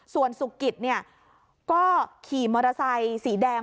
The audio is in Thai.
ส่วนสุกิตเนี่ยก็ขี่มอเตอร์ไซค์สีแดง